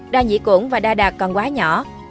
đa nhị cổng và đa đạt còn quá nhỏ